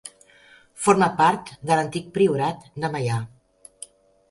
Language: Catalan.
Formà part de l'antic Priorat de Meià.